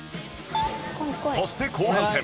そして後半戦